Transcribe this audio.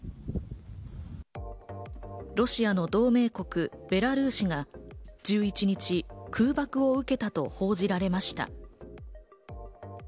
ロシアの同盟国・ベラルーシが１１日、空爆を受けたと報じられました。